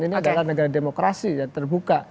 ini adalah negara demokrasi yang terbuka